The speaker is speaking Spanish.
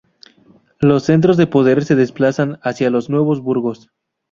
Los centros de poder se desplazan hacia los nuevos burgos.